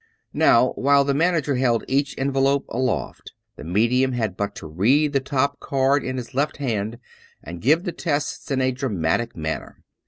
Now, while the manager held each envelope aloft, the medium had but to read the top card in his left hand and give the tests in a dramatic manner.